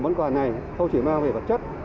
món quà này không chỉ mang về vật chất